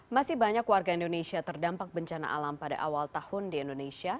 masih banyak warga indonesia terdampak bencana alam pada awal tahun di indonesia